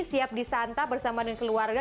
siap disantap bersama dengan keluarga